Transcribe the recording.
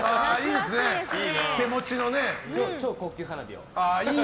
超高級花火を。